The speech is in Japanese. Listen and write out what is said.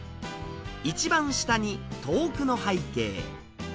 一番下に遠くの背景。